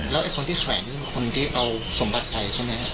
แล้วไอ้คนที่แขวนนี่คือคนที่เอาสมบัติไปใช่ไหม